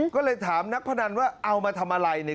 ก็เลยถามนักพนันว่าเอามาทำอะไรเนี่ย